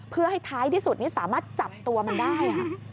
เพื่อให้ท้ายที่สุดนี่สามารถจับตัวมันได้